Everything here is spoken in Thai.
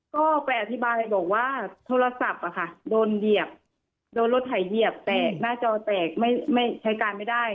ก็ไปอธิบายบอกว่าโทรศัพท์โดนเหยียบโดนรถไถเหยียบแตกหน้าจอแตกไม่ใช้การไม่ได้